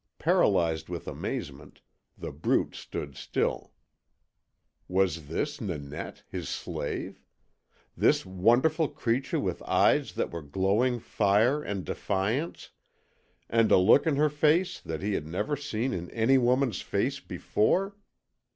Paralyzed with amazement, The Brute stood still. Was this Nanette, his slave? This wonderful creature with eyes that were glowing fire and defiance, and a look in her face that he had never seen in any woman's face before?